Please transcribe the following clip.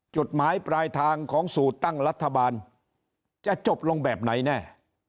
จุดหมายปลายทางของสูตรตั้งรัฐบาลจะจบลงแบบไหนแน่